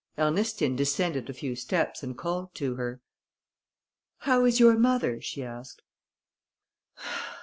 Ernestine descended a few steps and called to her. "How is your mother?" she asked.